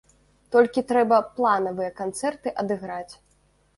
Толькі трэба планавыя канцэрты адыграць.